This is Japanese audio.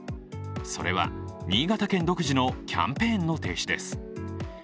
それは、新潟県独自のキャンペーンの停止です。